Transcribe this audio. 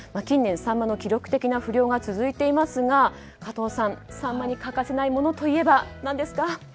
近年サンマの記録的な不漁が続いていますが加藤さん、サンマに欠かせないものといえば何ですか？